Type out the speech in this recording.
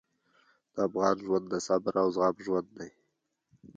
د افغان ژوند د صبر او زغم ژوند دی.